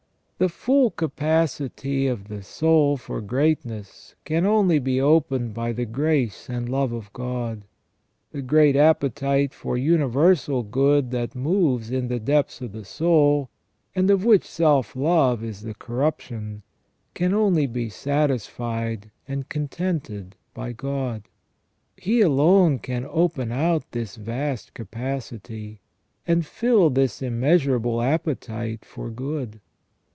The full capacity of the soul for greatness can only be opened by the grace and love of God. The great appetite for universal good that moves in the depths of the soul, and of which self love is the corruption, can only be satisfied and contented by God. He alone can open out this vast capacity, and fill this immeasurable appetite for good.